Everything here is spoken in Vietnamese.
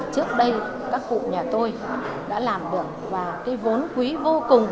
trước đây các cụ nhà tôi đã làm được và cái vốn quý vô cùng